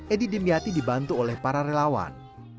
edi dimyati dibantu oleh para relawan